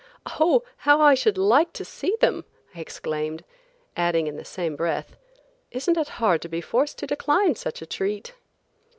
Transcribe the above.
"Oh, how I should like to see them!" I exclaimed, adding in the same breath, "Isn't it hard to be forced to decline such a treat?"